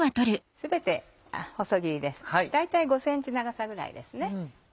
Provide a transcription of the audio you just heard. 全て細切りです大体５ｃｍ長さぐらいですね。